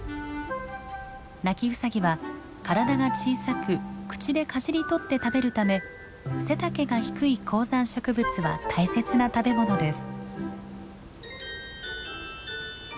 ナキウサギは体が小さく口でかじり取って食べるため背丈が低い高山植物は大切な食べ物です。